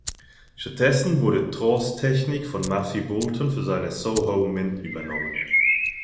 Stattdessen wurde Droz' Technik von Matthew Boulton für seine Soho Mint übernommen.